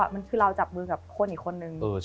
มันคือเราจับมือกับคนอีกคนนึง